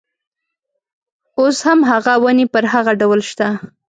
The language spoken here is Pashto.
اوس هم هغه ونې پر هغه ډول شته.